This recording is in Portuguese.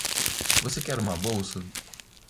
Você quer uma bolsa?